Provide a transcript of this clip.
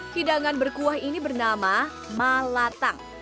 hidangan berkuah ini bernama malatang